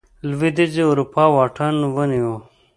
لوېدیځې اروپا واټن ونیو.